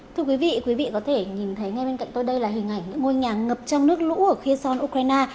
thưa quý vị quý vị có thể nhìn thấy ngay bên cạnh tôi đây là hình ảnh ngôi nhà ngập trong nước lũ ở khía son ukraine